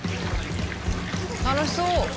楽しそう！